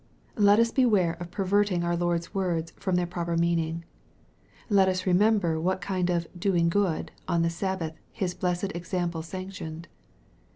Let us beware of perverting our Lord's words from their proper meaning. Let us remember what kind of " doing good" on the Sabbath His blessed example sanctioned.